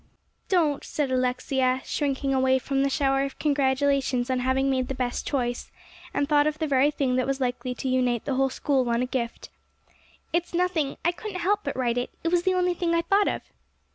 "Don't," said Alexia, shrinking away from the shower of congratulations on having made the best choice, and thought of the very thing that was likely to unite the whole school on a gift. "It's nothing. I couldn't help but write it. It was the only thing I thought of."